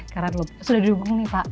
karena sudah didukung nih pak